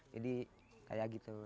jadi kayak gitu